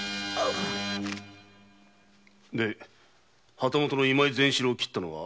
旗本・今井善四郎を斬った者は？